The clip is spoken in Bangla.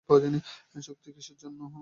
শক্তি, কিসের জন্য?